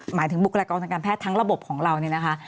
หมายถึงบุคลากรทางการแพทย์ทั้งระบบของเราเนี่ยนะคะ